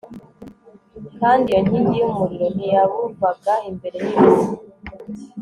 kandi iyo nkingi y'umuriro ntiyabuvaga imbere nijoro